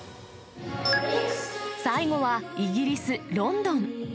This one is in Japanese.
最後は、イギリス・ロンドン。